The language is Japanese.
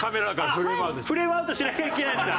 フレームアウトしなきゃいけないんですか？